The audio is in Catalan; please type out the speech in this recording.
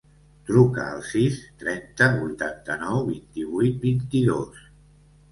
Truca al sis, trenta, vuitanta-nou, vint-i-vuit, vint-i-dos.